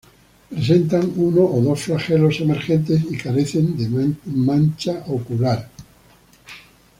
Presentan uno o dos flagelos emergentes y carecen de mancha ocular.